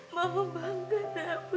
mama bangga naipun dengan kamu